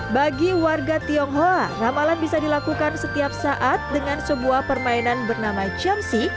bagi warga tionghoa ramalan bisa dilakukan setiap saat dengan sebuah permainan bernama jamsi